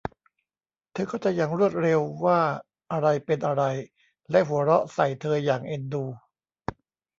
เธอเข้าใจอย่างรวดเร็วว่าอะไรเป็นอะไร และหัวเราะใส่เธออย่างเอ็นดู